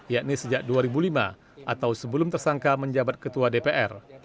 yakni sejak dua ribu lima atau sebelum tersangka menjabat ketua dpr